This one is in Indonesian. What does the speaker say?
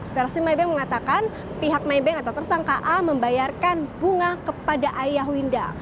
versi mybank mengatakan pihak maybank atau tersangka a membayarkan bunga kepada ayah winda